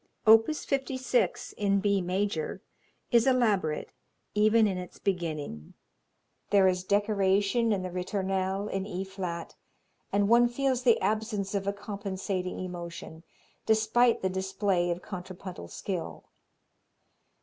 Opus 56, in B major, is elaborate, even in its beginning. There is decoration in the ritornelle in E flat and one feels the absence of a compensating emotion, despite the display of contrapuntal skill.